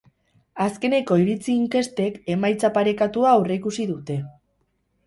Azkeneko iritzi-inkestek emaitza parekatua aurreikusi dute.